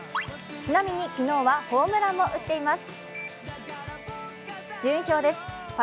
ちなみに昨日はホームランも打っています。